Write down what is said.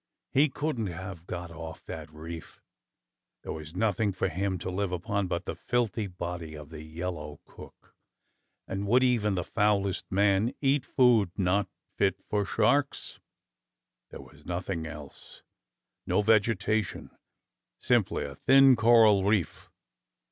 He couldn't have got off that reef. There was nothing for him to live upon but the filthy body of the yellow cook, and would even the foulest man eat food not fit for sharks.^ There was nothing else. No vegetation, simply a thin coral reef.